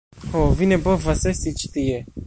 Ho, vi ne povas esti ĉi tie